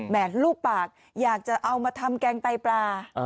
รูปปากอยากจะเอามาทำแกงไตปลา